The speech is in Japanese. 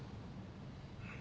うん。